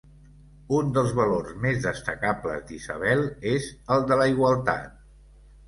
Un dels valors més destacables d’Isabel és el de la igualtat.